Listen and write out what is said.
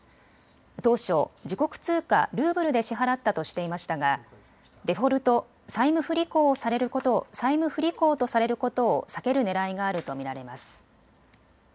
当初、自国通貨ルーブルで支払ったとしていましたがデフォルト・債務不履行とされることを避けるねらいがあると見られます。